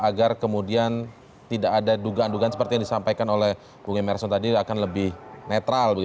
agar kemudian tidak ada dugaan dugaan seperti yang disampaikan oleh bung emerson tadi akan lebih netral